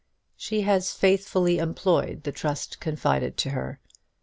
She has faithfully employed the trust confided to her.